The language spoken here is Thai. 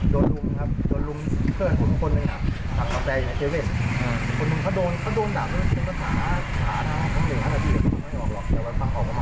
ตอนนั้นเหมือนสองคนครับ